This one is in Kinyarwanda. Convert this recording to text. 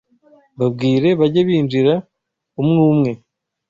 Babwire bage binjira umwumwe